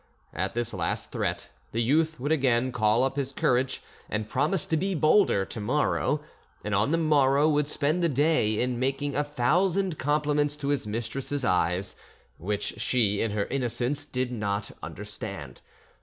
At this last threat the youth would again call up his courage, and promise to be bolder to morrow; and on the morrow would spend the day in making a thousand compliments to his mistress's eyes, which she, in her innocence, did not understand.